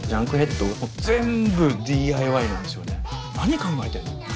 何考えてんだ